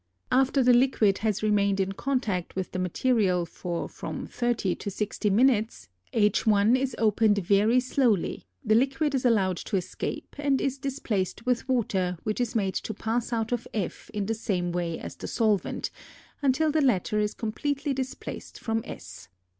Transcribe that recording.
After the liquid has remained in contact with the material for from thirty to sixty minutes, H_ is opened very slowly, the liquid is allowed to escape and is displaced with water which is made to pass out of F in the same way as the solvent, until the latter is completely displaced from S.